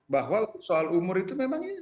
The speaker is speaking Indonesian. bahwa soal umur itu memang